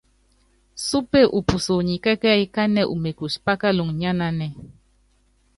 Súpe u puso ni kɛ́kɛ́yí kánɛ umekuci pákaluŋɔ nyánanɛ́.